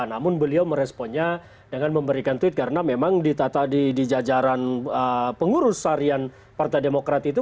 namun beliau meresponnya dengan memberikan tweet karena memang di jajaran pengurus harian partai demokrat itu